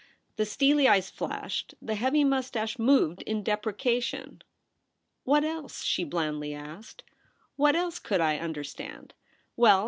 The steely eyes flashed ; the heavy mous tache moved in deprecation. * What else ?' she blandly asked. ' What else could I understand ? Well.